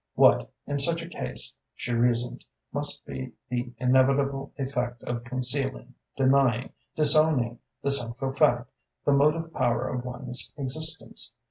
What, in such a case she reasoned must be the inevitable effect of concealing, denying, disowning, the central fact, the motive power of one's existence?